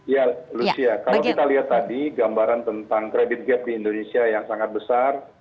ya lucia kalau kita lihat tadi gambaran tentang kredit gap di indonesia yang sangat besar